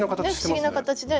ね不思議な形ね。